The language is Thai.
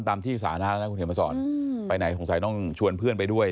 ตามที่สาธารณะแล้วนะคุณเขียนมาสอนไปไหนสงสัยต้องชวนเพื่อนไปด้วย